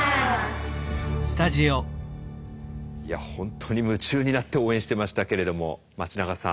いや本当に夢中になって応援してましたけれども町永さん